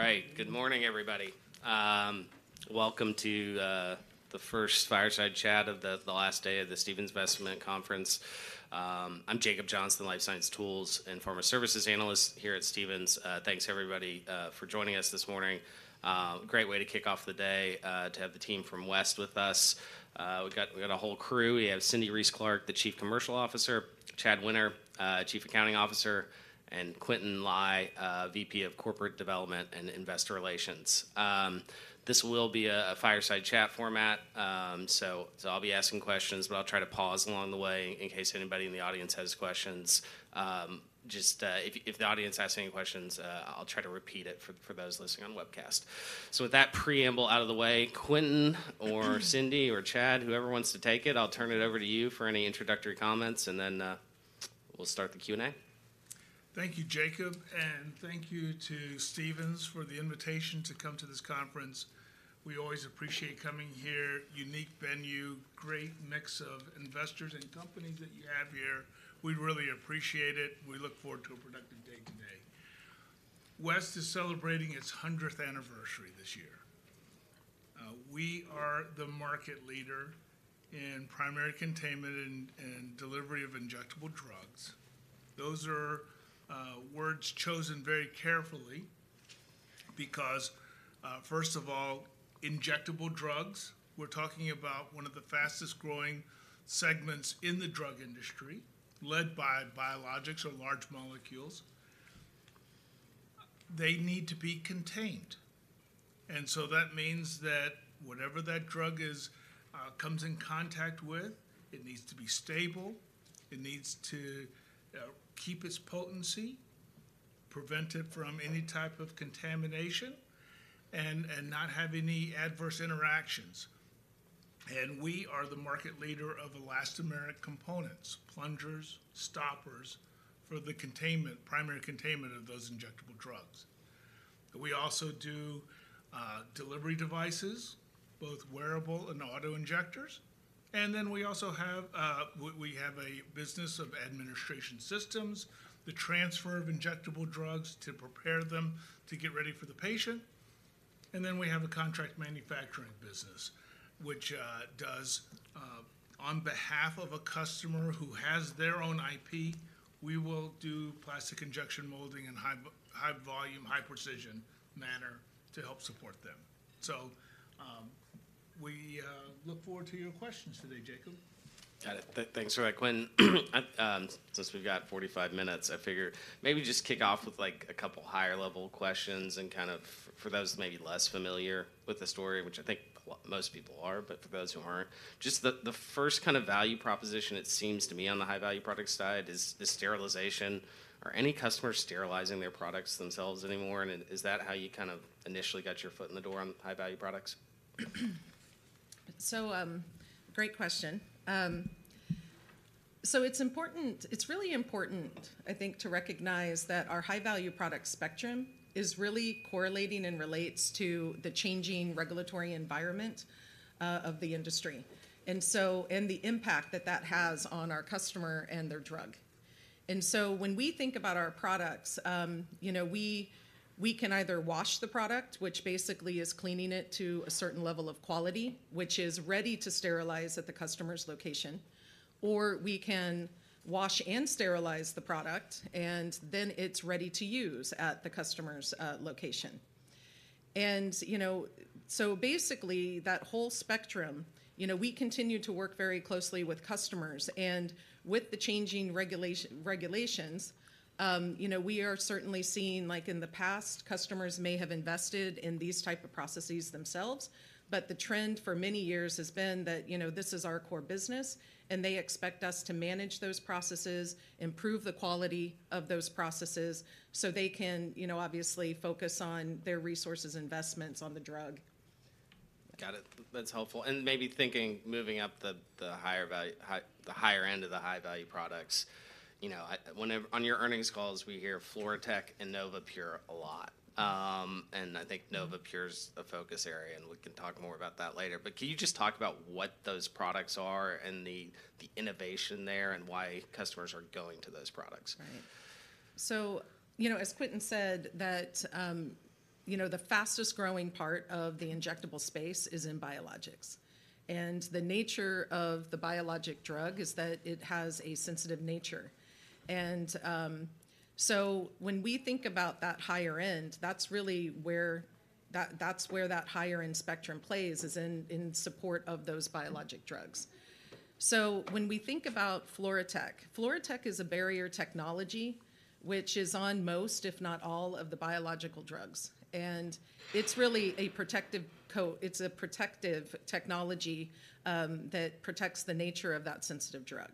All right. Good morning, everybody. Welcome to the first fireside chat of the last day of the Stephens Investment Conference. I'm Jacob Johnson, Life Science Tools and Pharma Services Analyst here at Stephens. Thanks, everybody, for joining us this morning. Great way to kick off the day to have the team from West with us. We've got a whole crew. We have Cindy Reiss-Clark, the Chief Commercial Officer, Chad Winters, Chief Accounting Officer, and Quintin Lai, VP of Corporate Development and Investor Relations. This will be a fireside chat format, so I'll be asking questions, but I'll try to pause along the way in case anybody in the audience has questions. Just, if the audience asks any questions, I'll try to repeat it for those listening on the webcast. So with that preamble out of the way, Quintin or Cindy or Chad, whoever wants to take it, I'll turn it over to you for any introductory comments, and then we'll start the Q&A. Thank you, Jacob, and thank you to Stephens for the invitation to come to this conference. We always appreciate coming here. Unique venue, great mix of investors and companies that you have here. We really appreciate it. We look forward to a productive day today. West is celebrating its 100th anniversary this year. We are the market leader in primary containment and delivery of injectable drugs. Those are words chosen very carefully because first of all, injectable drugs, we're talking about one of the fastest-growing segments in the drug industry, led by biologics or large molecules. They need to be contained, and so that means that whatever that drug is comes in contact with, it needs to be stable, it needs to keep its potency, prevent it from any type of contamination, and not have any adverse interactions. We are the market leader of elastomeric components, plungers, stoppers, for the containment, primary containment of those injectable drugs. We also do delivery devices, both wearable and auto-injectors, and then we also have a business of administration systems, the transfer of injectable drugs to prepare them to get ready for the patient, and then we have a contract manufacturing business, which does on behalf of a customer who has their own IP, we will do plastic injection molding in high volume, high precision manner to help support them. So, we look forward to your questions today, Jacob. Got it. Thanks for that, Quintin. Since we've got 45 minutes, I figure maybe just kick off with, like, a couple higher level questions and kind of for those maybe less familiar with the story, which I think most people are, but for those who aren't, just the, the first kind of value proposition, it seems to me, on the high-value product side is, is sterilization. Are any customers sterilizing their products themselves anymore, and is that how you kind of initially got your foot in the door on high-value products? So, great question. So it's important—it's really important, I think, to recognize that our high-value product spectrum is really correlating and relates to the changing regulatory environment, of the industry, and so and the impact that that has on our customer and their drug. And so when we think about our products, you know, we, we can either wash the product, which basically is cleaning it to a certain level of quality, which is ready to sterilize at the customer's location, or we can wash and sterilize the product, and then it's ready to use at the customer's location. You know, so basically, that whole spectrum, you know, we continue to work very closely with customers, and with the changing regulations, you know, we are certainly seeing, like in the past, customers may have invested in these type of processes themselves, but the trend for many years has been that, you know, this is our core business, and they expect us to manage those processes, improve the quality of those processes, so they can, you know, obviously focus on their resources, investments on the drug. Got it. That's helpful. And maybe thinking, moving up the higher value, the higher end of the high-value products, you know, whenever on your earnings calls, we hea`r FluroTec and NovaPure a lot. And I think NovaPure's a focus area, and we can talk more about that later. But can you just talk about what those products are and the innovation there and why customers are going to those products? Right. So, you know, as Quintin said, that, you know, the fastest growing part of the injectable space is in biologics, and the nature of the biologic drug is that it has a sensitive nature. And, so when we think about that higher end, that's really where that, that's where that higher end spectrum plays, is in, in support of those biologic drugs. So when we think about FluroTec, FluroTec is a barrier technology, which is on most, if not all, of the biological drugs, and it's really a protective coat. It's a protective technology, that protects the nature of that sensitive drug.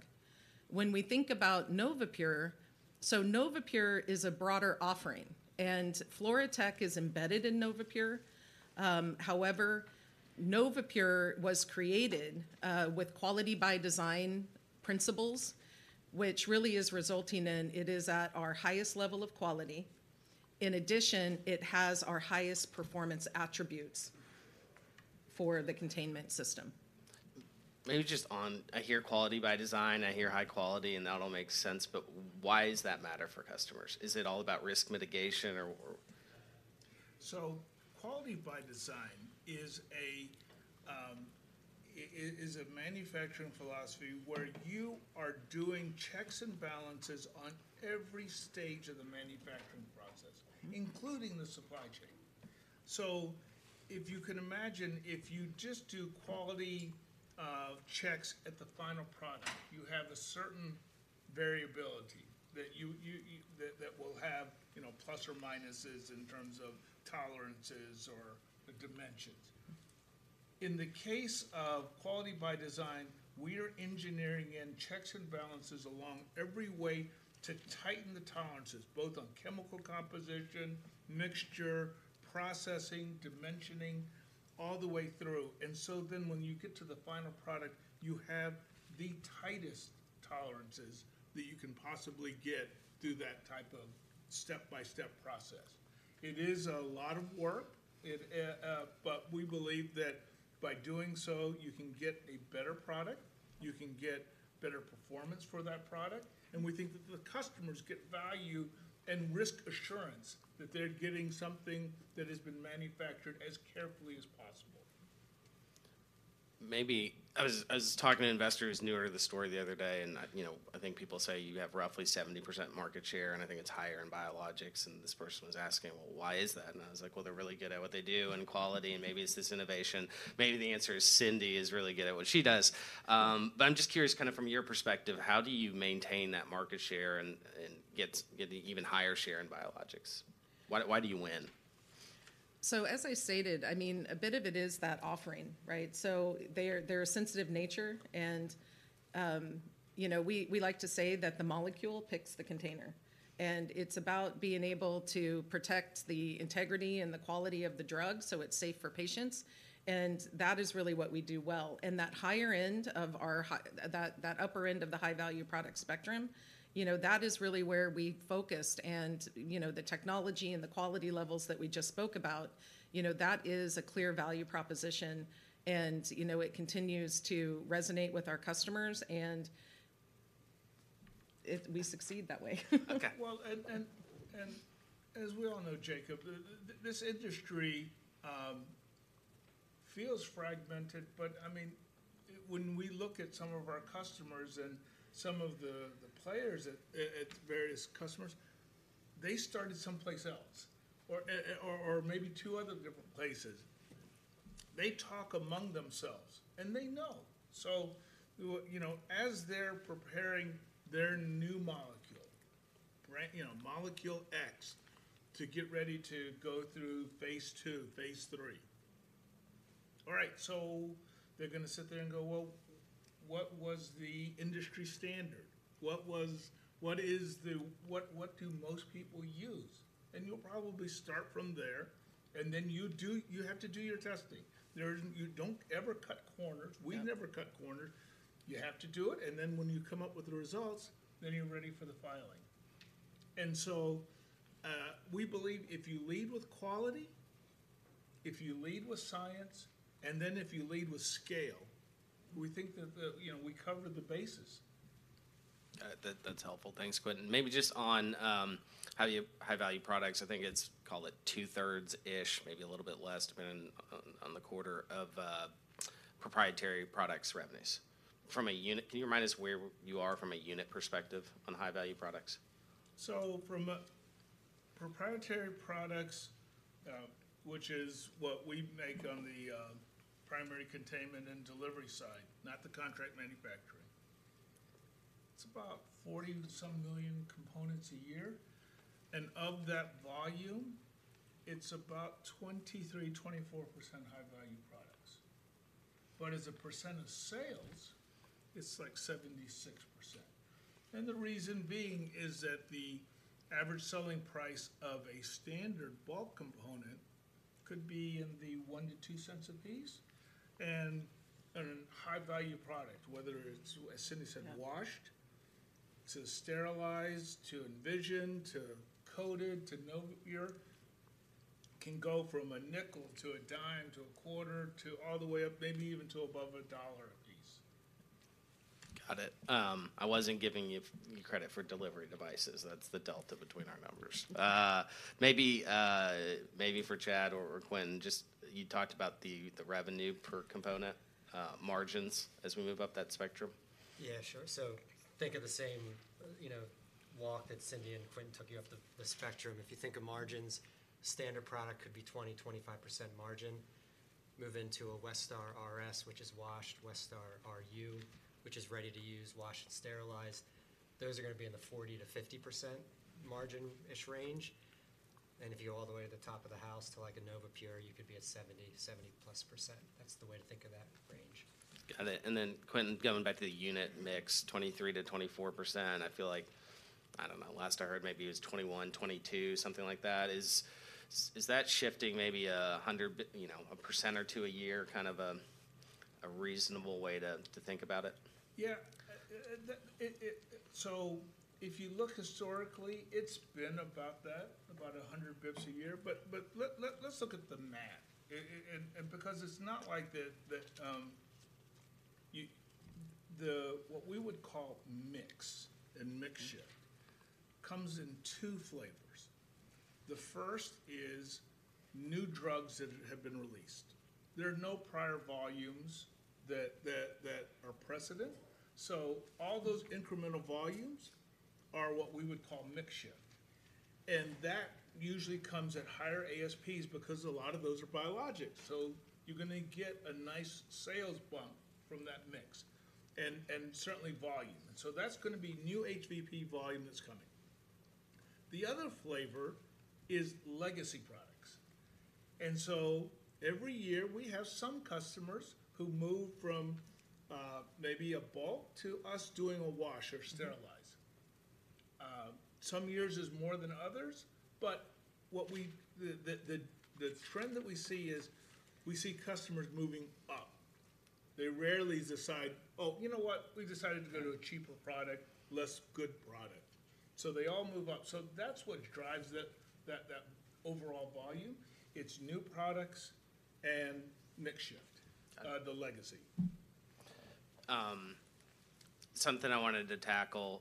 When we think about NovaPure, so NovaPure is a broader offering, and FluroTec is embedded in NovaPure. However, NovaPure was created, with quality by design principles, which really is resulting in it is at our highest level of quality. In addition, it has our highest performance attributes for the containment system. Maybe just on, I hear Quality by Design, I hear high quality, and that all makes sense, but why does that matter for customers? Is it all about risk mitigation or, or? So Quality by Design is a manufacturing philosophy where you are doing checks and balances on every stage of the manufacturing process, including the supply chain. So if you can imagine, if you just do quality checks at the final product, you have a certain variability that you will have, you know, plus or minuses in terms of tolerances or the dimensions. In the case of Quality by Design, we are engineering in checks and balances along every way to tighten the tolerances, both on chemical composition, mixture, processing, dimensioning, all the way through. And so then, when you get to the final product, you have the tightest tolerances that you can possibly get through that type of step-by-step process. It is a lot of work. But we believe that by doing so, you can get a better product, you can get better performance for that product, and we think that the customers get value and risk assurance that they're getting something that has been manufactured as carefully as possible. Maybe I was talking to an investor who's newer to the story the other day, and I, you know, I think people say you have roughly 70% market share, and I think it's higher in biologics, and this person was asking, "Well, why is that?" And I was like, "Well, they're really good at what they do, and quality, and maybe it's this innovation." Maybe the answer is Cindy is really good at what she does. But I'm just curious, kind of from your perspective, how do you maintain that market share and get the even higher share in biologics? Why do you win? So as I stated, I mean, a bit of it is that offering, right? So they're a sensitive nature, and, you know, we like to say that the molecule picks the container, and it's about being able to protect the integrity and the quality of the drug, so it's safe for patients, and that is really what we do well. And that higher end of our High-Value Product - that upper end of the High-Value Product spectrum, you know, that is really where we focused. And, you know, the technology and the quality levels that we just spoke about, you know, that is a clear value proposition, and, you know, it continues to resonate with our customers, and we succeed that way. Okay. Well, as we all know, Jacob, this industry feels fragmented, but I mean, when we look at some of our customers and some of the players at various customers, they started someplace else or maybe two other different places. They talk among themselves, and they know. So you know, as they're preparing their new molecule, right? You know, molecule X, to get ready to go through phase II, phase III. All right, so they're gonna sit there and go, "Well, what was the industry standard? What is the what do most people use?" And you'll probably start from there, and then you have to do your testing. You don't ever cut corners. Yeah. We never cut corners. You have to do it, and then when you come up with the results, then you're ready for the filing. And so, we believe if you lead with quality, if you lead with science, and then if you lead with scale, we think that the, you know, we cover the bases. That's helpful. Thanks, Quintin. Maybe just on how you have High-Value Products, I think it's call it 2/3-ish, maybe a little bit less, depending on the quarter of proprietary products' revenues. From a unit, can you remind us where you are from a unit perspective on High-Value Products? So from a proprietary products, which is what we make on the primary containment and delivery side, not the contract manufacturing, it's about 40-some million components a year, and of that volume, it's about 23%-24% High-Value Products. But as a percent of sales, it's like 76%, and the reason being is that the average selling price of a standard bulk component could be in the $0.1-$0.2 a piece, and, and a High-Value Product, whether it's, as Cindy said- Yeah... washed, to sterilized, to envisioned, to coated, to NovaPure, can go from $0.05-$0.10-$0.25 to all the way up, maybe even to above $1 a piece. Got it. I wasn't giving you credit for delivery devices. That's the delta between our numbers. Maybe, maybe for Chad or Quintin, just you talked about the revenue per component, margins as we move up that spectrum. Yeah, sure. So think of the same, you know, walk that Cindy and Quintin took you up the, the spectrum. If you think of margins, standard product could be 20-25% margin. Move into a Westar RS, which is washed, Westar RU, which is ready-to-use, washed and sterilized, those are gonna be in the 40%-50% margin-ish range. And if you go all the way to the top of the house to, like, a NovaPure, you could be at 70%, 70%+. That's the way to think of that range. Got it, and then, Quintin, going back to the unit mix, 23%-24%, I feel like, I don't know, last I heard maybe it was 21%, 22%, something like that. Is that shifting maybe 100 basis points, you know, 1% or 2% a year, kind of, a reasonable way to think about it? Yeah, so if you look historically, it's been about that, about 100 basis points a year. But let's look at the math. And because it's not like that, you... The what we would call mix and mix shift comes in two flavors. The first is new drugs that have been released. There are no prior volumes that are precedent, so all those incremental volumes are what we would call mix shift, and that usually comes at higher ASPs because a lot of those are biologics. So you're gonna get a nice sales bump from that mix and certainly volume. So that's gonna be new HVP volume that's coming. The other flavor is legacy products, and so every year we have some customers who move from maybe a bulk to us doing a wash or sterilize. Some years is more than others, but the trend that we see is, we see customers moving up. They rarely decide, "Oh, you know what? We've decided to go to a cheaper product, less good product." So they all move up. So that's what drives the overall volume. It's new products and mix shift, the legacy. Something I wanted to tackle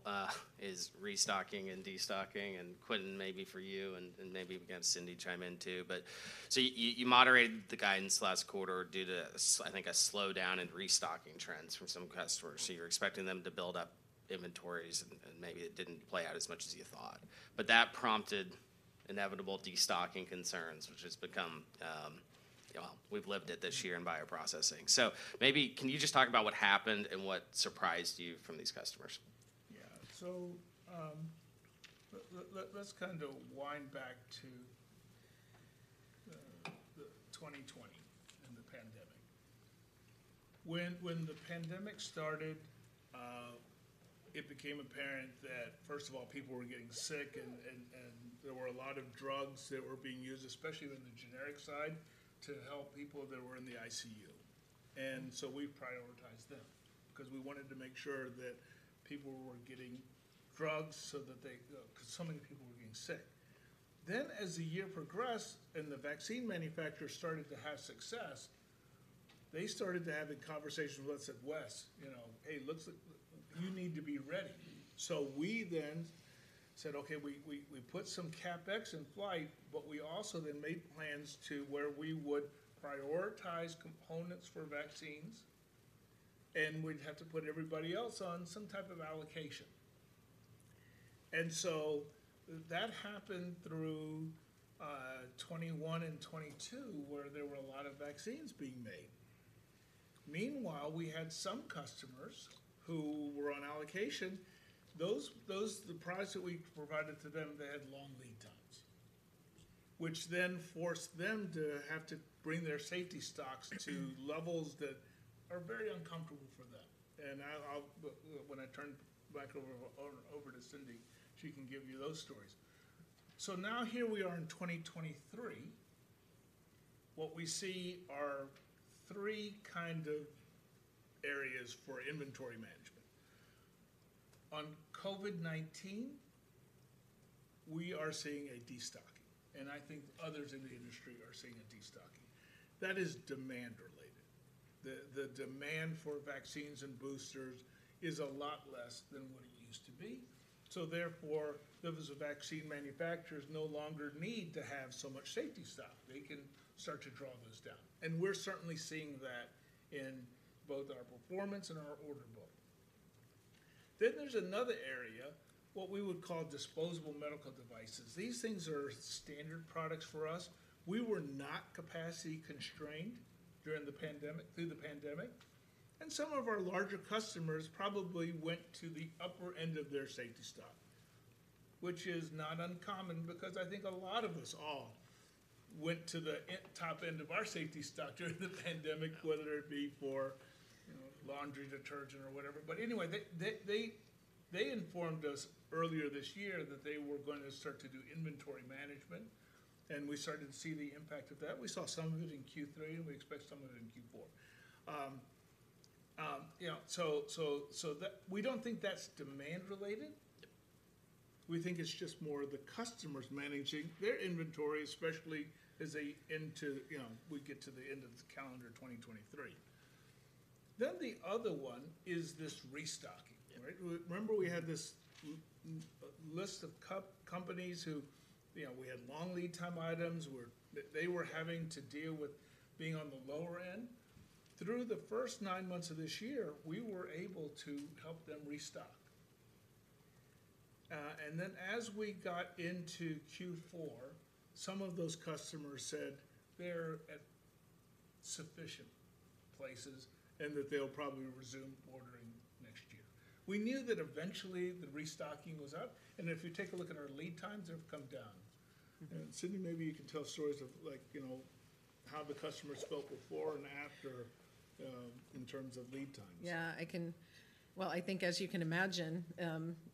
is restocking and destocking, and Quintin, maybe for you, and maybe we can have Cindy chime in, too. But so you moderated the guidance last quarter due to, I think, a slowdown in restocking trends from some customers. So you're expecting them to build up inventories, and maybe it didn't play out as much as you thought. But that prompted inevitable destocking concerns, which has become, well, we've lived it this year in bioprocessing. So maybe, can you just talk about what happened and what surprised you from these customers? Yeah. So, let's kind of wind back to 2020 and the pandemic. When the pandemic started, it became apparent that, first of all, people were getting sick, and there were a lot of drugs that were being used, especially in the generic side, to help people that were in the ICU. And so we prioritized them because we wanted to make sure that people were getting drugs so that they... because so many people were getting sick. Then, as the year progressed and the vaccine manufacturers started to have success, they started to have the conversations with us, said, "West, you know, hey, looks like you need to be ready." So we then said, "Okay," we put some CapEx in flight, but we also then made plans to where we would prioritize components for vaccines, and we'd have to put everybody else on some type of allocation. And so that happened through twenty-one and twenty-two, where there were a lot of vaccines being made. Meanwhile, we had some customers who were on allocation. The products that we provided to them, they had long lead times, which then forced them to have to bring their safety stocks to levels that are very uncomfortable for them. And when I turn back over to Cindy, she can give you those stories. So now, here we are in 2023. What we see are three kind of areas for inventory management. On COVID-19, we are seeing a destocking, and I think others in the industry are seeing a destocking. That is demand related. The demand for vaccines and boosters is a lot less than what it used to be. So therefore, those vaccine manufacturers no longer need to have so much safety stock. They can start to draw those down, and we're certainly seeing that in both our performance and our order book. Then there's another area, what we would call disposable medical devices. These things are standard products for us. We were not capacity constrained during the pandemic, through the pandemic, and some of our larger customers probably went to the upper end of their safety stock, which is not uncommon because I think a lot of us all went to the top end of our safety stock during the pandemic, whether it be for, you know, laundry detergent or whatever. But anyway, they informed us earlier this year that they were going to start to do inventory management, and we started to see the impact of that. We saw some of it in Q3, and we expect some of it in Q4. You know, so that—we don't think that's demand related. We think it's just more of the customers managing their inventory, especially as they into, you know, we get to the end of the calendar 2023. Then the other one is this restocking. Yeah. Right? Remember we had this list of companies who, you know, we had long lead time items, where they, they were having to deal with being on the lower end. Through the first nine months of this year, we were able to help them restock. Then as we got into Q4, some of those customers said they're at sufficient places and that they'll probably resume ordering next year. We knew that eventually the restocking was up, and if you take a look at our lead times, they've come down. Mm-hmm. Cindy, maybe you can tell stories of like, you know, how the customers felt before and after, in terms of lead times. Yeah, I can- ... Well, I think as you can imagine,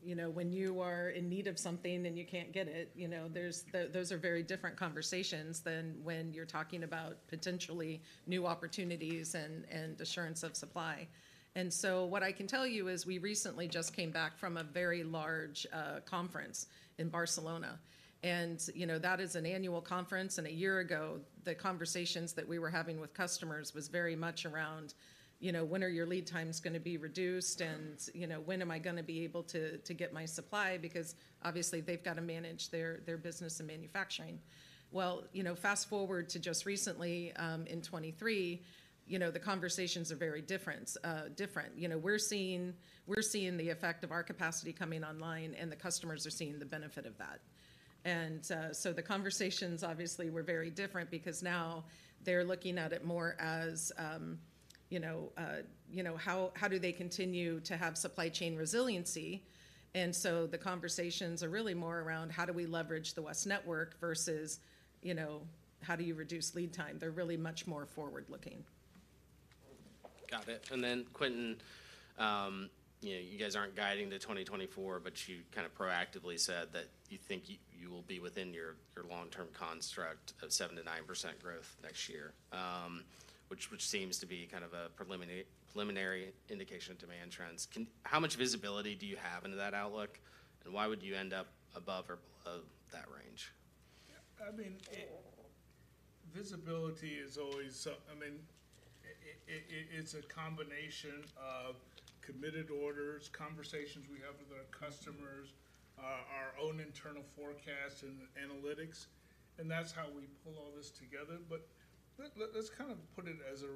you know, when you are in need of something and you can't get it, you know, there's those are very different conversations than when you're talking about potentially new opportunities and, and assurance of supply. And so what I can tell you is we recently just came back from a very large conference in Barcelona, and, you know, that is an annual conference, and a year ago, the conversations that we were having with customers was very much around, you know, "When are your lead times gonna be reduced?" and, you know, "When am I gonna be able to get my supply?" Because obviously, they've got to manage their business and manufacturing. Well, you know, fast-forward to just recently in 2023, you know, the conversations are very different. You know, we're seeing, we're seeing the effect of our capacity coming online, and the customers are seeing the benefit of that. And so the conversations obviously were very different because now they're looking at it more as, you know, how, how do they continue to have supply chain resiliency? And so the conversations are really more around how do we leverage the West network versus, you know, how do you reduce lead time? They're really much more forward-looking. Got it. And then, Quintin, you know, you guys aren't guiding to 2024, but you kind of proactively said that you think you will be within your, your long-term construct of 7%-9% growth next year. Which, which seems to be kind of a preliminary indication of demand trends. How much visibility do you have into that outlook, and why would you end up above or below that range? I mean, visibility is always so—I mean, it's a combination of committed orders, conversations we have with our customers, our own internal forecast and analytics, and that's how we pull all this together. But let's kind of put it as a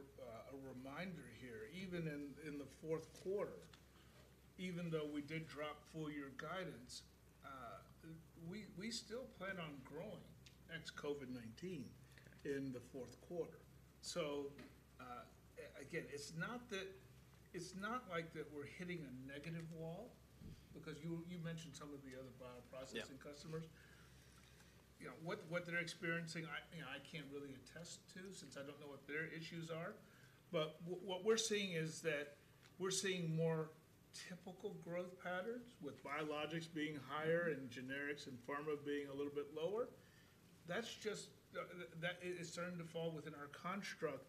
reminder here. Even in the fourth quarter, even though we did drop full year guidance, we still plan on growing ex-COVID-19. Okay... in the fourth quarter. So, again, it's not that it's not like that we're hitting a negative wall, because you, you mentioned some of the other bioprocessing customers. Yeah. You know, what they're experiencing, you know, I can't really attest to since I don't know what their issues are. But what we're seeing is that we're seeing more typical growth patterns, with biologics being higher and generics and pharma being a little bit lower. That's just it is starting to fall within our construct,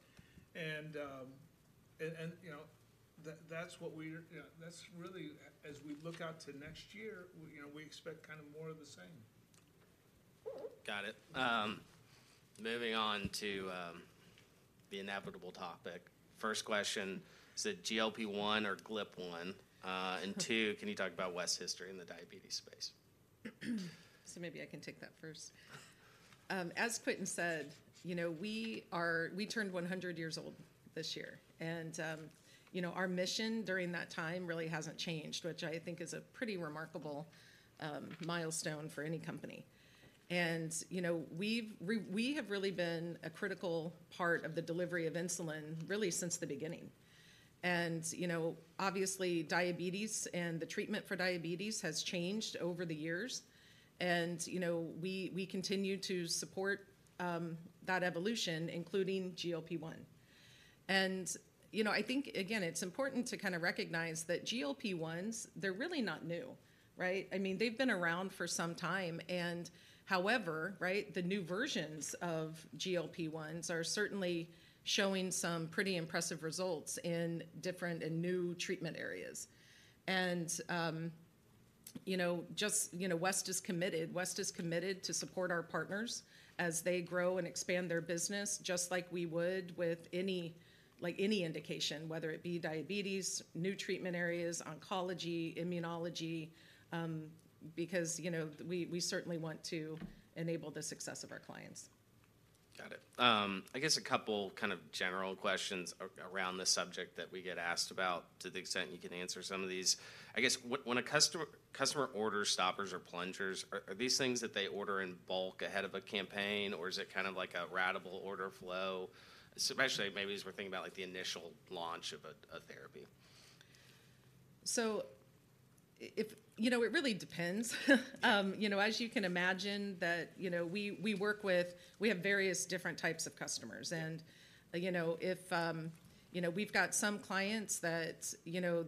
and, you know, that's what we're, you know, that's really as we look out to next year, you know, we expect kind of more of the same. Got it. Moving on to the inevitable topic. First question, is it GLP-1 or GLP-1? And two, can you talk about West's history in the diabetes space? So maybe I can take that first. As Quintin said, you know, we turned 100 years old this year, and, you know, our mission during that time really hasn't changed, which I think is a pretty remarkable milestone for any company. And, you know, we have really been a critical part of the delivery of insulin really since the beginning. And, you know, obviously, diabetes and the treatment for diabetes has changed over the years, and, you know, we continue to support that evolution, including GLP-1. And, you know, I think, again, it's important to kind of recognize that GLP-1s, they're really not new, right? I mean, they've been around for some time and however, right, the new versions of GLP-1s are certainly showing some pretty impressive results in different and new treatment areas. You know, just you know, West is committed. West is committed to support our partners as they grow and expand their business, just like we would with any, like, any indication, whether it be diabetes, new treatment areas, oncology, immunology, because, you know, we certainly want to enable the success of our clients. Got it. I guess a couple kind of general questions around the subject that we get asked about, to the extent you can answer some of these. I guess, when a customer orders stoppers or plungers, are these things that they order in bulk ahead of a campaign, or is it kind of like a ratable order flow? So especially maybe as we're thinking about, like, the initial launch of a therapy. So if... you know, it really depends. You know, as you can imagine, that, you know, we, we work with, we have various different types of customers. Yeah. You know, if we've got some clients that, you know,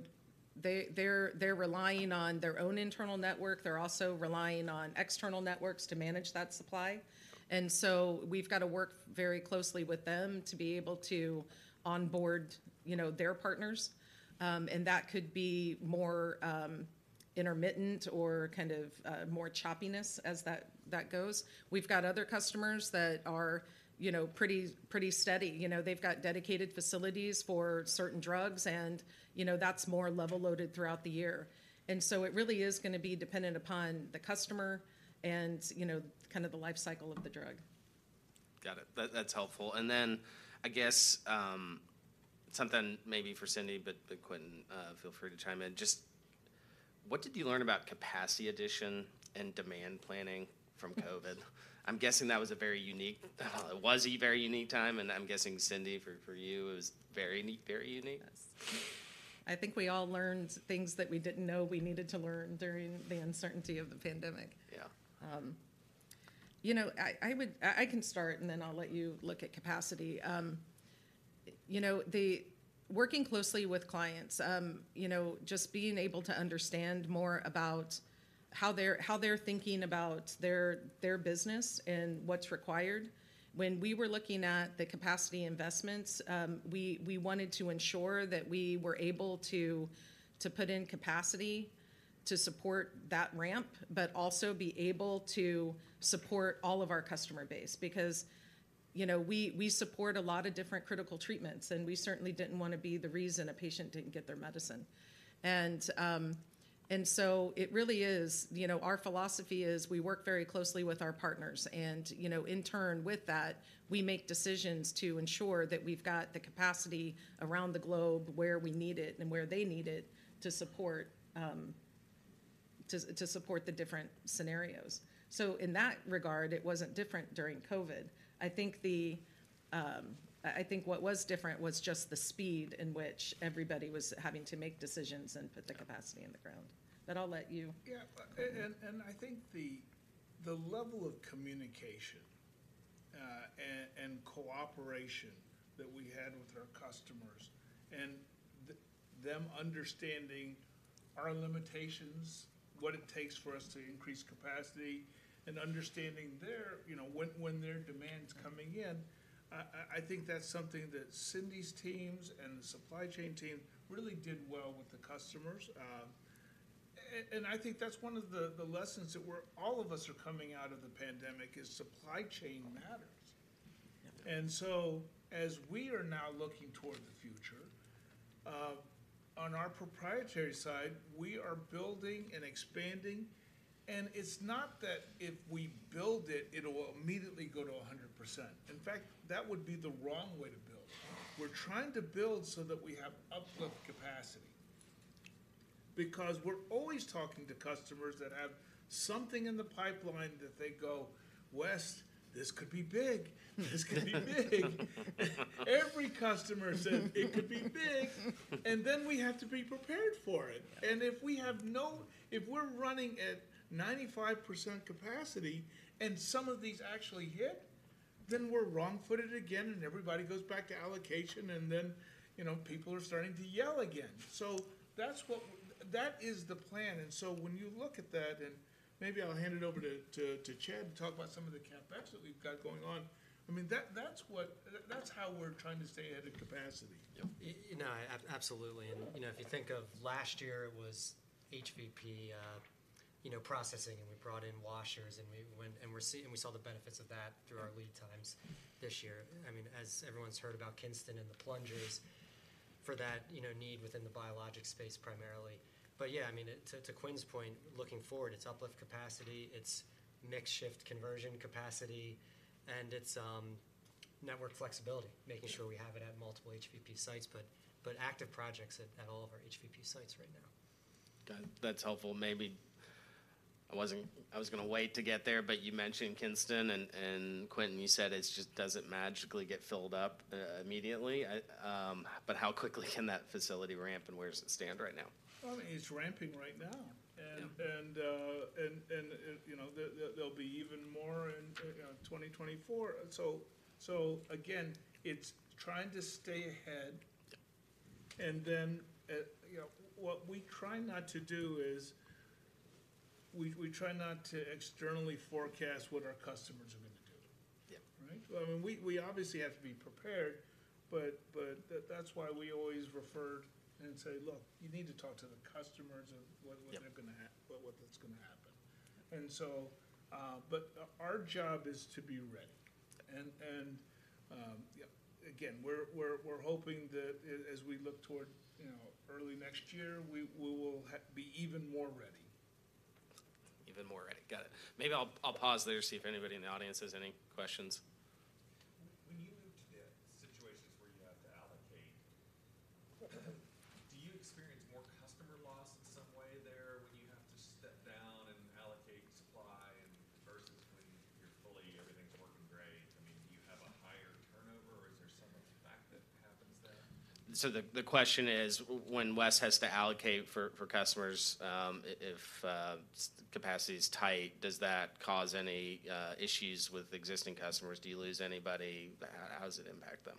they're relying on their own internal network. They're also relying on external networks to manage that supply, and so we've got to work very closely with them to be able to onboard, you know, their partners. And that could be more intermittent or kind of more choppiness as that goes. We've got other customers that are, you know, pretty, pretty steady. You know, they've got dedicated facilities for certain drugs, and, you know, that's more level-loaded throughout the year. And so it really is gonna be dependent upon the customer and, you know, kind of the life cycle of the drug. Got it. That's helpful. And then, I guess, something maybe for Cindy, but Quintin, feel free to chime in: just what did you learn about capacity addition and demand planning from COVID? I'm guessing that was a very unique... It was a very unique time, and I'm guessing, Cindy, for you, it was very unique, very unique. I think we all learned things that we didn't know we needed to learn during the uncertainty of the pandemic. Yeah. You know, I would, I can start, and then I'll let you look at capacity. You know, working closely with clients, you know, just being able to understand more about how they're thinking about their business and what's required. When we were looking at the capacity investments, we wanted to ensure that we were able to put in capacity to support that ramp, but also be able to support all of our customer base. Because, you know, we support a lot of different critical treatments, and we certainly didn't want to be the reason a patient didn't get their medicine. And so it really is... You know, our philosophy is we work very closely with our partners, and, you know, in turn with that, we make decisions to ensure that we've got the capacity around the globe where we need it and where they need it to support the different scenarios. So in that regard, it wasn't different during COVID. I think what was different was just the speed in which everybody was having to make decisions and put the capacity in the ground. But I'll let you- Yeah, and I think the level of communication and cooperation that we had with our customers and them understanding our limitations, what it takes for us to increase capacity, and understanding their, you know, when their demand's coming in, I think that's something that Cindy's teams and the supply chain team really did well with the customers. And I think that's one of the lessons that we're all of us are coming out of the pandemic, is supply chain matters. Yeah. And so as we are now looking toward the future, on our proprietary side, we are building and expanding, and it's not that if we build it, it'll immediately go to 100%. In fact, that would be the wrong way to build. We're trying to build so that we have uplift capacity. Because we're always talking to customers that have something in the pipeline that they go, "West, this could be big. This could be big!" Every customer says it could be big, and then we have to be prepared for it. Yeah. And if we're running at 95% capacity and some of these actually hit, then we're wrong-footed again, and everybody goes back to allocation, and then, you know, people are starting to yell again. So that's what... That is the plan, and so when you look at that, and maybe I'll hand it over to Chad to talk about some of the CapEx that we've got going on. I mean, that's what-- that's how we're trying to stay ahead of capacity. Yep. You know, absolutely. And, you know, if you think of last year, it was HVP, you know, processing, and we brought in washers, and we went, and we saw the benefits of that through our lead times this year. I mean, as everyone's heard about Kinston and the plungers, for that, you know, need within the biologic space primarily. But yeah, I mean, to, to Quintin's point, looking forward, it's uplift capacity, it's mix shift conversion capacity, and it's, network flexibility- Sure... making sure we have it at multiple HVP sites, but active projects at all of our HVP sites right now. That, that's helpful. Maybe I wasn't—I was gonna wait to get there, but you mentioned Kinston, and, and Quintin, you said it's just doesn't magically get filled up immediately. I, but how quickly can that facility ramp, and where does it stand right now? Well, I mean, it's ramping right now. Yeah. You know, there'll be even more in 2024. So again, it's trying to stay ahead, and then you know, what we try not to do is we try not to externally forecast what our customers are going to do. Yeah. Right? Well, I mean, we, we obviously have to be prepared, but, but that, that's why we always refer and say, "Look, you need to talk to the customers of- Yeah... what that's gonna happen. And so, but our job is to be ready. And, yeah, again, we're hoping that as we look toward, you know, early next year, we will be even more ready. Even more ready. Got it. Maybe I'll, I'll pause there to see if anybody in the audience has any questions. When you move to the situations where you have to allocate, do you experience more customer loss in some way there, when you have to step down and allocate supply and versus when you're fully, everything's working great? So the question is, when West has to allocate for customers, if capacity is tight, does that cause any issues with existing customers? Do you lose anybody? How does it impact them?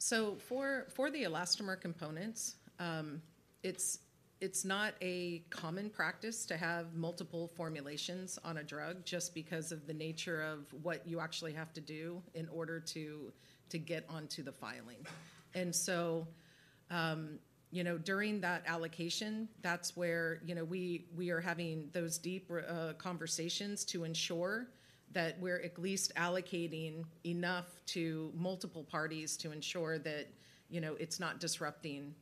So for the elastomer components, it's not a common practice to have multiple formulations on a drug, just because of the nature of what you actually have to do in order to get onto the filing. And so, you know, during that allocation, that's where, you know, we are having those deep conversations to ensure that we're at least allocating enough to multiple parties to ensure that, you know, it's not disrupting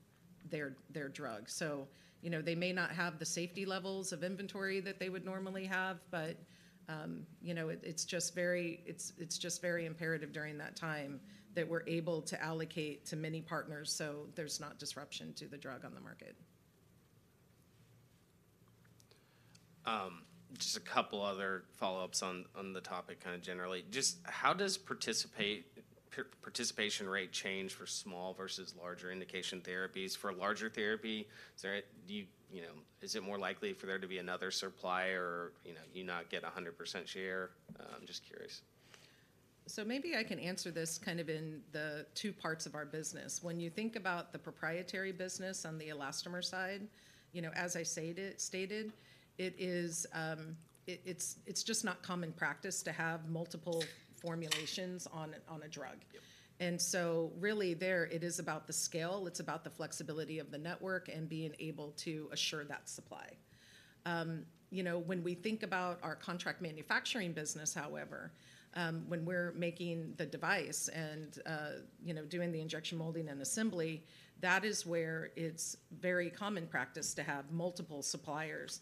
their drug. So, you know, they may not have the safety levels of inventory that they would normally have, but, you know, it's just very imperative during that time that we're able to allocate to many partners, so there's not disruption to the drug on the market. Just a couple other follow-ups on the topic, kind of generally. Just how does participation rate change for small versus larger indication therapies? For larger therapy, is there, do you, you know, is it more likely for there to be another supplier or, you know, you not get a 100% share? I'm just curious. So maybe I can answer this kind of in the two parts of our business. When you think about the proprietary business on the elastomer side, you know, as I stated, it's just not common practice to have multiple formulations on a drug. Yep. So really, there it is about the scale. It's about the flexibility of the network and being able to assure that supply. You know, when we think about our contract manufacturing business, however, when we're making the device and, you know, doing the injection molding and assembly, that is where it's very common practice to have multiple suppliers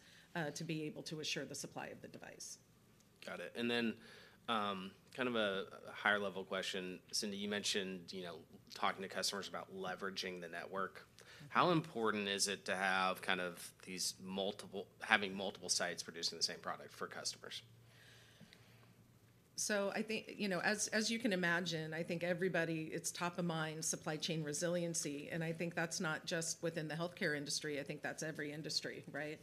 to be able to assure the supply of the device. Got it. Then, kind of a higher level question. Cindy, you mentioned, you know, talking to customers about leveraging the network. Mm-hmm. How important is it to have kind of these multiple sites producing the same product for customers? So I think, you know, as you can imagine, I think everybody, it's top of mind, supply chain resiliency, and I think that's not just within the healthcare industry. I think that's every industry, right?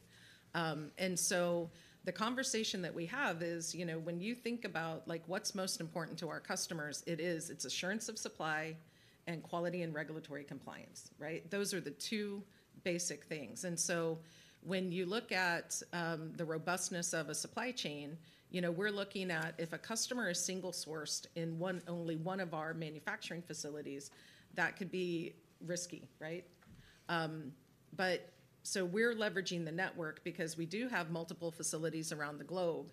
And so the conversation that we have is, you know, when you think about, like, what's most important to our customers, it is, it's assurance of supply and quality and regulatory compliance, right? Those are the two basic things. And so when you look at the robustness of a supply chain, you know, we're looking at if a customer is single-sourced in one, only one of our manufacturing facilities, that could be risky, right? But so we're leveraging the network because we do have multiple facilities around the globe,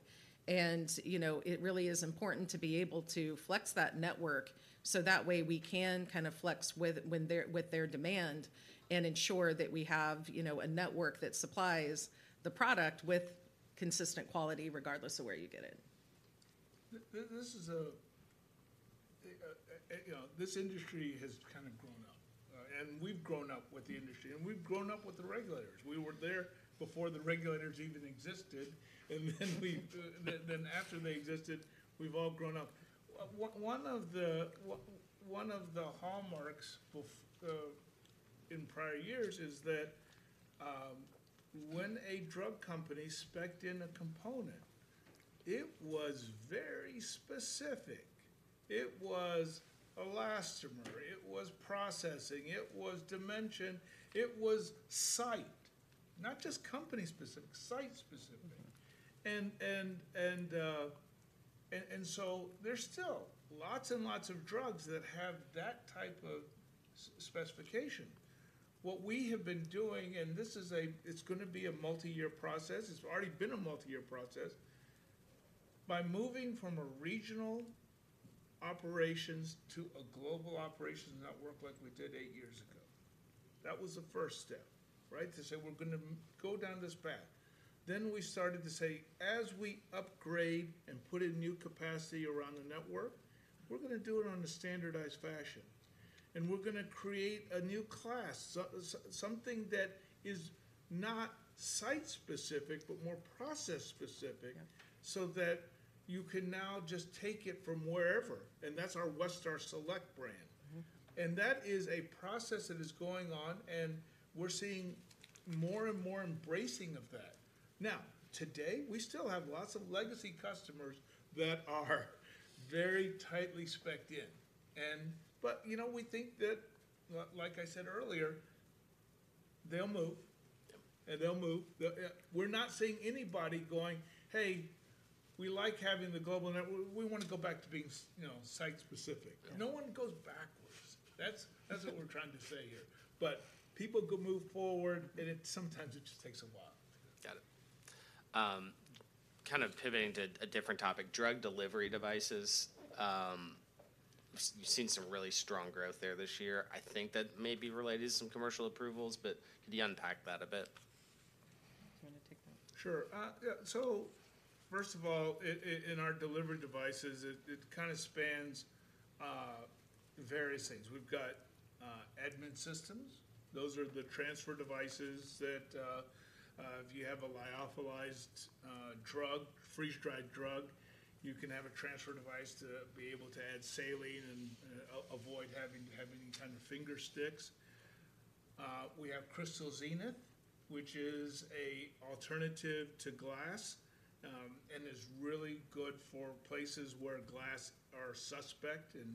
and, you know, it really is important to be able to flex that network, so that way we can kind of flex with their demand and ensure that we have, you know, a network that supplies the product with consistent quality regardless of where you get it. This is a, you know, this industry has kind of grown up, and we've grown up with the industry, and we've grown up with the regulators. We were there before the regulators even existed, and then we, then after they existed, we've all grown up. One of the hallmarks before in prior years is that, when a drug company spec'd in a component, it was very specific. It was elastomer, it was processing, it was dimension, it was site. Not just company specific, site specific. Mm-hmm. So there's still lots and lots of drugs that have that type of specification. What we have been doing, and this is a... It's gonna be a multi-year process, it's already been a multi-year process. By moving from a regional operations to a global operations network like we did eight years ago, that was the first step, right? To say: We're gonna go down this path. Then we started to say: As we upgrade and put in new capacity around the network, we're gonna do it on a standardized fashion, and we're gonna create a new class, so something that is not site specific, but more process specific. Yeah... so that you can now just take it from wherever, and that's our Westar Select brand. Mm-hmm. That is a process that is going on, and we're seeing more and more embracing of that. Now, today, we still have lots of legacy customers that are very tightly spec'd in, and but, you know, we think that, like I said earlier, they'll move- Yep... and they'll move. The, we're not seeing anybody going, "Hey, we like having the global network. We want to go back to being, you know, site specific. Yeah. No one goes backwards. That's what we're trying to say here. But people can move forward, and sometimes it just takes a while. Got it. Kind of pivoting to a different topic, drug delivery devices. You've seen some really strong growth there this year. I think that may be related to some commercial approvals, but could you unpack that a bit? Do you want to take that? Sure. Yeah, so first of all, in our delivery devices, it kind of spans various things. We've got admin systems. Those are the transfer devices that if you have a lyophilized drug, freeze-dried drug, you can have a transfer device to be able to add saline and avoid having any kind of finger sticks. We have Crystal Zenith, which is an alternative to glass, and is really good for places where glass is suspect, and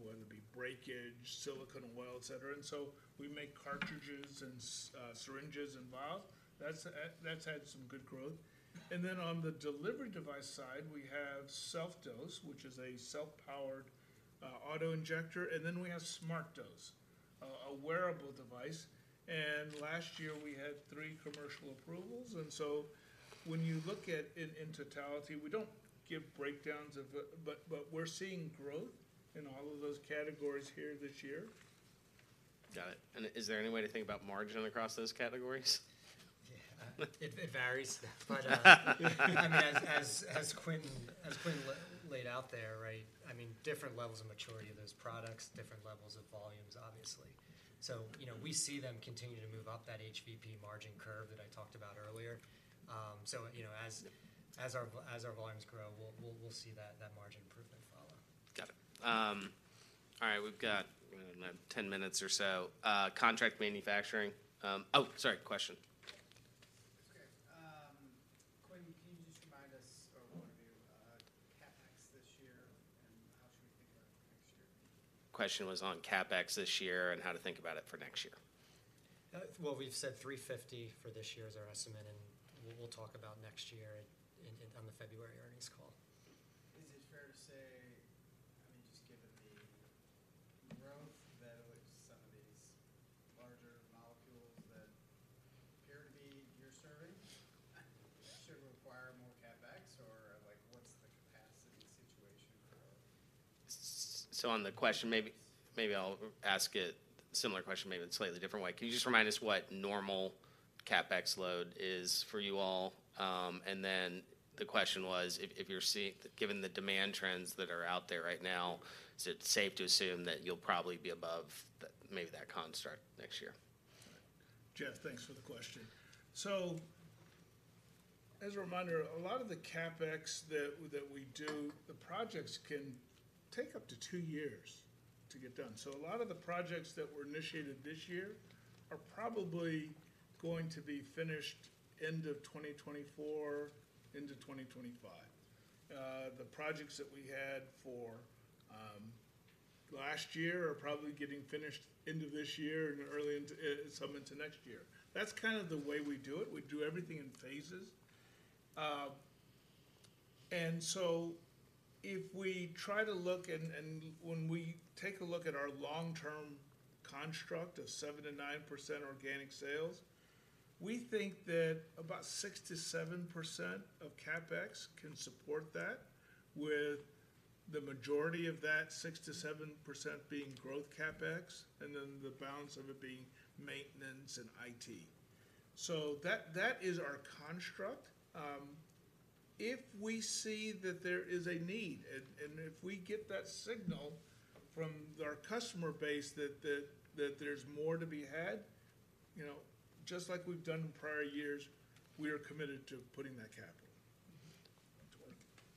whether it be breakage, silicone oil, et cetera. And so we make cartridges and syringes and valves. That's had some good growth. And then on the delivery device side, we have SelfDose, which is a self-powered auto-injector, and then we have SmartDose, a wearable device. And last year we had three commercial approvals. So when you look at it in totality, we don't give breakdowns of, but we're seeing growth in all of those categories here this year. Got it. Is there any way to think about margin across those categories? Yeah, it varies, but... I mean, as Quintin Lai laid out there, right? I mean, different levels of maturity of those products-... levels of volumes, obviously. So, you know, we see them continuing to move up that HVP margin curve that I talked about earlier. So, you know, as our volumes grow, we'll see that margin improvement follow. Got it. All right, we've got about 10 minutes or so. Contract manufacturing... Oh, sorry, question. Okay, Quintin, can you just remind us, or one of you, CapEx this year, and how should we think about it for next year? Question was on CapEx this year, and how to think about it for next year. Well, we've said $350 for this year is our estimate, and we'll talk about next year on the February earnings call. Is it fair to say, I mean, just given the growth, that with some of these larger molecules that appear to be here serving, should require more CapEx? Or, like, what's the capacity situation for- So on the question, maybe, maybe I'll ask it. Similar question, maybe in a slightly different way. Can you just remind us what normal CapEx load is for you all? And then the question was, if you're seeing, given the demand trends that are out there right now, is it safe to assume that you'll probably be above the, maybe that construct next year? Jeff, thanks for the question. So as a reminder, a lot of the CapEx that we do, the projects can take up to two years to get done. So a lot of the projects that were initiated this year are probably going to be finished end of 2024 into 2025. The projects that we had for last year are probably getting finished end of this year and early into some into next year. That's kind of the way we do it. We do everything in phases. And so if we try to look and when we take a look at our long-term construct of 7%-9% organic sales, we think that about 6%-7% of CapEx can support that, with the majority of that 6%-7% being growth CapEx, and then the balance of it being maintenance and IT. So that is our construct. If we see that there is a need, and if we get that signal from our customer base, that there's more to be had, you know, just like we've done in prior years, we are committed to putting that capital. Mm-hmm.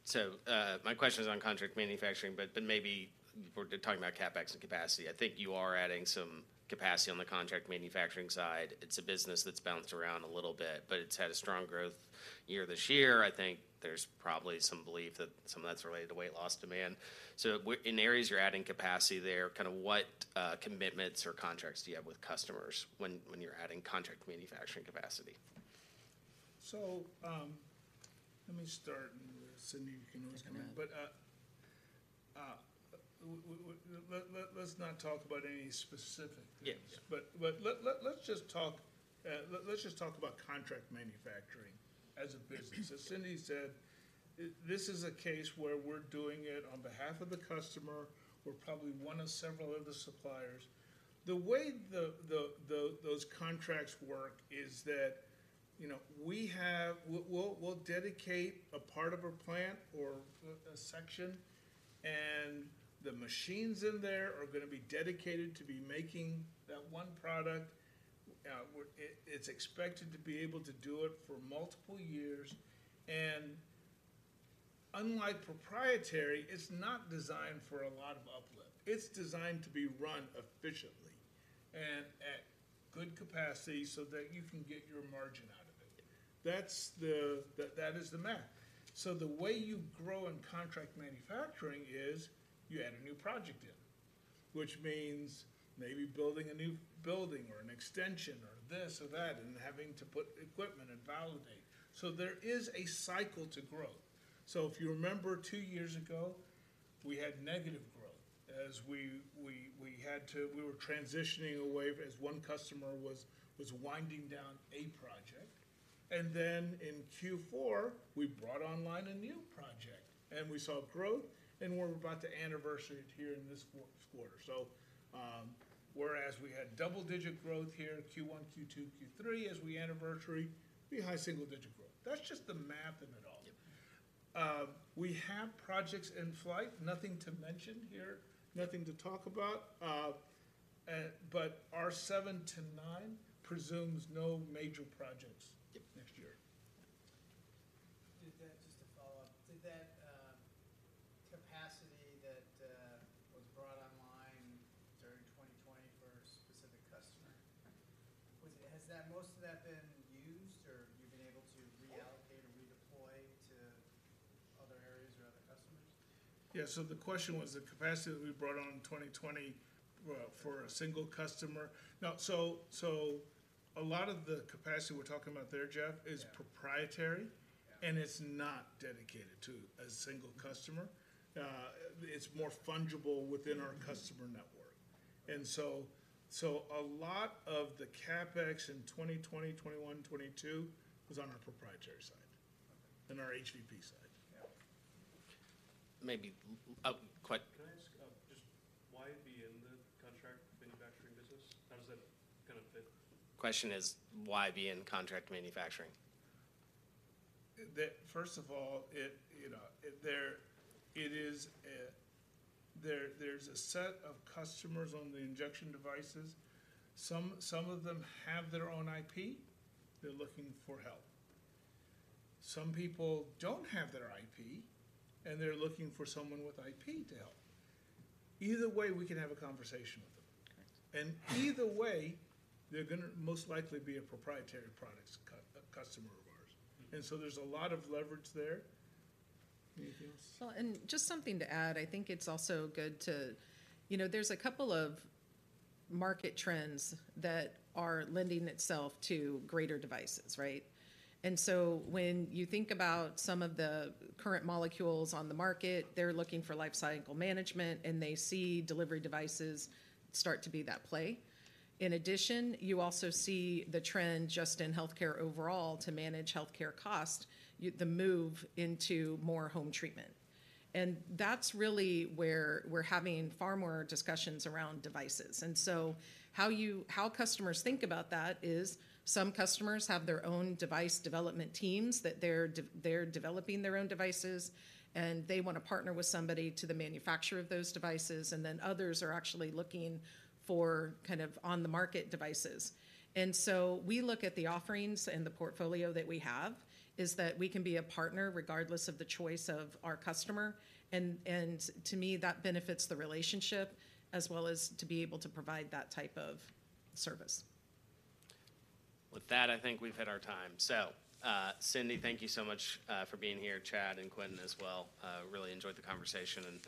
So, my question is on contract manufacturing, but maybe we're talking about CapEx and capacity. I think you are adding some capacity on the contract manufacturing side. It's a business that's bounced around a little bit, but it's had a strong growth year this year. I think there's probably some belief that some of that's related to weight loss demand. So in areas you're adding capacity there, kind of what commitments or contracts do you have with customers when you're adding contract manufacturing capacity? So, let me start, and then Cindy, you can always come in. Sure. But, let's not talk about any specific things. Yes. Let's just talk about contract manufacturing as a business. As Cindy said, this is a case where we're doing it on behalf of the customer. We're probably one of several of the suppliers. The way those contracts work is that, you know, we have... We'll dedicate a part of a plant or a section, and the machines in there are gonna be dedicated to be making that one product. It's expected to be able to do it for multiple years, and unlike proprietary, it's not designed for a lot of uplift. It's designed to be run efficiently and at good capacity so that you can get your margin out of it. That's the... That is the math. So the way you grow in contract manufacturing is, you add a new project in, which means maybe building a new building or an extension or this or that, and having to put equipment and validate. So there is a cycle to growth. So if you remember, two years ago, we had negative growth as we had to we were transitioning away as one customer was winding down a project. And then in Q4, we brought online a new project, and we saw growth, and we're about to anniversary it here in this quarter. So, whereas we had double-digit growth here, Q1, Q2, Q3, as we anniversary, be high single digit growth. That's just the math in it all. Yep. We have projects in flight. Nothing to mention here, nothing to talk about. But our seven to nine presumes no major projects- Yep... next year. Just to follow up, did that capacity that was brought online during 2020 for a specific customer? Has most of that been used, or have you been able to reallocate or redeploy to other areas or other customers? Yeah, so the question was the capacity that we brought on in 2020 for a single customer? Now, so, so a lot of the capacity we're talking about there, Jeff- Yeah... is proprietary- Yeah... and it's not dedicated to a single customer. It's more fungible within our customer network. Okay. A lot of the CapEx in 2020, 2021, 2022 was on our proprietary side- Okay... in our HVP side. Yeah. Maybe, Can I ask, just why be in the contract manufacturing business? How does that kind of fit? Question is, why be in contract manufacturing? First of all, you know, there is a set of customers on the injection devices. Some of them have their own IP, they're looking for help. Some people don't have their IP, and they're looking for someone with IP to help. Either way, we can have a conversation with them. Correct. Either way, they're gonna most likely be a proprietary products customer of ours. Mm-hmm. And so there's a lot of leverage there. Anything else? Well, and just something to add, I think it's also good to... You know, there's a couple of market trends that are lending itself to greater devices, right? And so when you think about some of the current molecules on the market, they're looking for life cycle management, and they see delivery devices start to be that play. In addition, you also see the trend just in healthcare overall, to manage healthcare cost, the move into more home treatment. And that's really where we're having far more discussions around devices. And so how customers think about that is, some customers have their own device development teams, that they're developing their own devices, and they want to partner with somebody to the manufacture of those devices. And then others are actually looking for kind of on-the-market devices. And so we look at the offerings and the portfolio that we have, is that we can be a partner regardless of the choice of our customer. And to me, that benefits the relationship as well as to be able to provide that type of service. With that, I think we've hit our time. So, Cindy, thank you so much for being here, Chad and Quintin as well. Really enjoyed the conversation and-